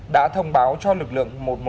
đã thông báo cho lực lượng